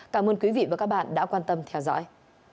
cảm ơn quý vị và các bạn đã quan tâm theo dõi